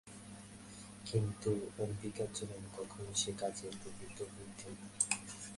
কিন্তু অম্বিকাচরণ কখনো সে কাজে প্রবৃত্ত হইতেন না।